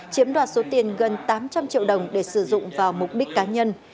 chiếm đoạt số tiền gần tám trăm linh triệu đồng để sử dụng vào mục đích cá nhân